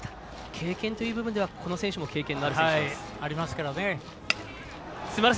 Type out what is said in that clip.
経験という部分ではこの選手も経験のある選手です。